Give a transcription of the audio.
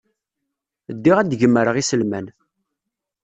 Ddiɣ ad gemreɣ iselman.